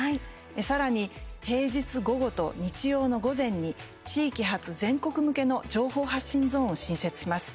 さらに平日午後と日曜の午前に地域発全国向けの情報発信ゾーンを新設します。